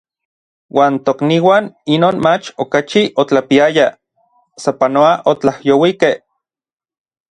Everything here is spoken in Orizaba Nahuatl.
Uan tokniuan inon mach okachi otlapiayaj, sapanoa otlajyouikej.